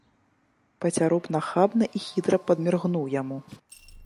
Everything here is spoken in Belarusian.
Пацяроб нахабна і хітра падміргнуў яму.